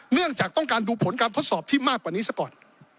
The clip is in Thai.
เนื่องจากต้องการดูผลการทดสอบที่มากกว่านี้ซะก่อน